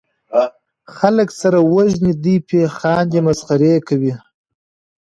خلک سره وژني دي پې خاندي مسخرې کوي